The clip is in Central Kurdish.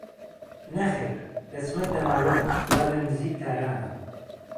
نەخێر دەچمە دەماوەند وا لە نیزیک تارانە